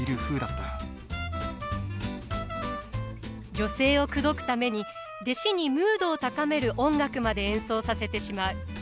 女性を口説くために弟子にムードを高める音楽まで演奏させてしまう。